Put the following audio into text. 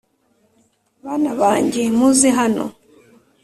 “bana banjye, muze hano